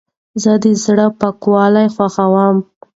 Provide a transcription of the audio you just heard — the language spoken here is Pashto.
زه د زړه پاکوالی خوښوم.